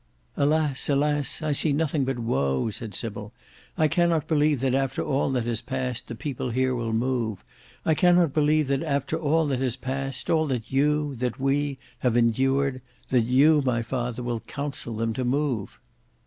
"Alas, alas! I see nothing but woe," said Sybil. "I cannot believe that after all that has passed, the people here will move: I cannot believe that after all that has passed, all that you, that we, have endured, that you, my father, will counsel them to move."